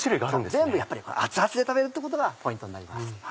全部熱々で食べるってことがポイントになります。